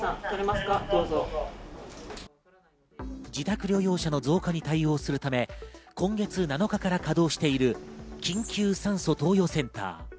自宅療養者の増加に対応するため、今月７日から稼働している緊急酸素投与センター。